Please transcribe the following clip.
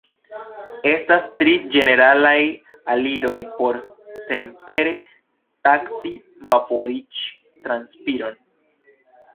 Estas tri ĝeneralaj aliroj por senpere taksi vaporiĝ-transpiron.